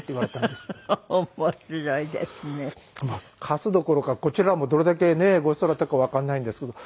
貸すどころかこちらはもうどれだけねごちそうになったかわかんないんですけど。